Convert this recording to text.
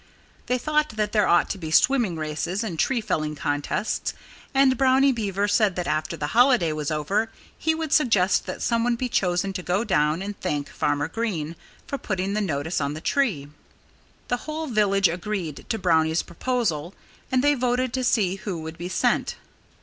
They thought that there ought to be swimming races and tree felling contests. And Brownie Beaver said that after the holiday was over he would suggest that someone be chosen to go down and thank Farmer Green for putting the notice on the tree. The whole village agreed to Brownie's proposal and they voted to see who should be sent.